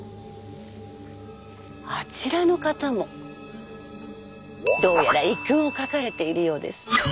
あちらの方もどうやら遺訓を書かれているようです。